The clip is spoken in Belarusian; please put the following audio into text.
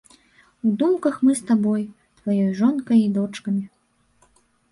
У думках мы з табой, тваёй жонкай і дочкамі.